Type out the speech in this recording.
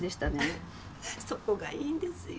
そこがいいんですよ。